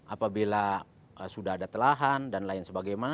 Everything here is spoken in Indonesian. apabila sudah ada telahan dan lain sebagainya